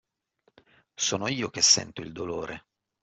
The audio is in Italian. Sono io che sento il dolore.